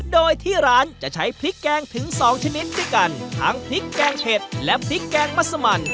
โดยที่ร้านจะใช้พริกแกงถึงสองชนิดด้วยกันทั้งพริกแกงเผ็ดและพริกแกงมัสมัน